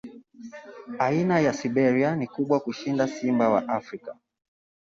Aina ya Siberia ni kubwa kushinda simba wa Afrika.